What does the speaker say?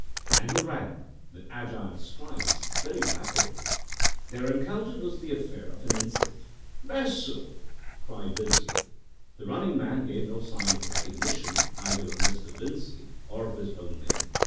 And he ran, with agile strides, very rapidly. Their encounter was the affair of an instant. "Bessel!" cried Vincey. The running man gave no sign of recognition either of Mr. Vincey or of his own name.